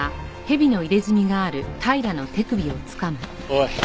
おい。